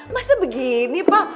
masa begini pak